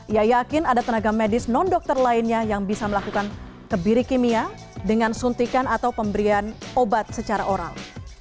ia yakin ada tenaga medis non dokter lainnya yang bisa melakukan kebiri kimia dengan suntikan atau pemberian obat secara oral